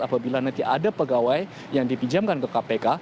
apabila nanti ada pegawai yang dipinjamkan ke kpk